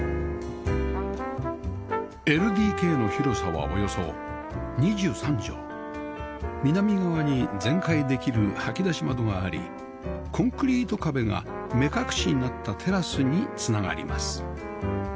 ＬＤＫ の広さはおよそ２３畳南側に全開できる掃き出し窓がありコンクリート壁が目隠しになったテラスに繋がります